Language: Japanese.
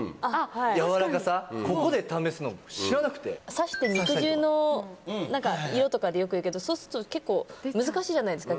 刺して肉汁の色とかでよく言うけどそうすると結構難しいじゃないですか。